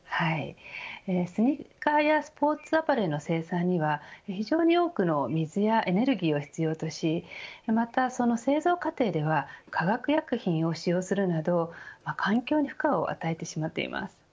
スニーカーやスポーツアパレルの生産には非常に多くの水やエネルギーを必要としまた、その製造過程では化学薬品を使用するなど環境に負荷を与えてしまっています。